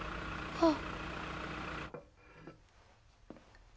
あっ。